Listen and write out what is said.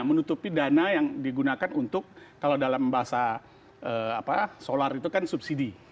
menutupi dana yang digunakan untuk kalau dalam bahasa solar itu kan subsidi